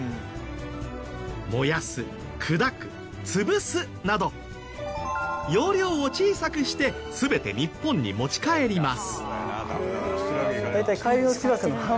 燃やす砕く潰すなど容量を小さくして全て日本に持ち帰ります。